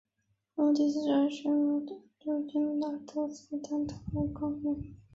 墓所在福冈市博多区千代横岳山崇福寺和京都市北区龙宝山大德寺搭头寺院龙光院。